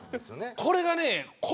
これがね。